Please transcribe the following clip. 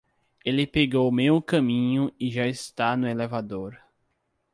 Ele pegou meio caminho e já está no elevador.